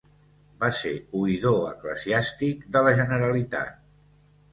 Va ser oïdor eclesiàstic de la Generalitat.